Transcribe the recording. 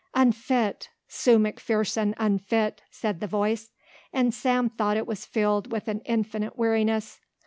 "Unfit Sue McPherson unfit," said the voice, and Sam thought it was filled with an infinite weariness.